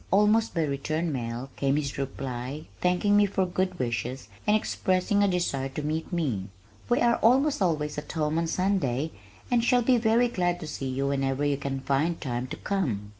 Almost by return mail came his reply thanking me for my good wishes and expressing a desire to meet me. "We are almost always at home on Sunday and shall be very glad to see you whenever you can find time to come."